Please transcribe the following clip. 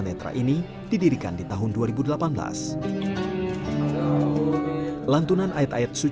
itu adalah satu itu